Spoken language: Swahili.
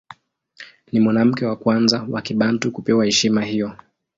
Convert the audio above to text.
Ni mwanamke wa kwanza wa Kibantu kupewa heshima hiyo.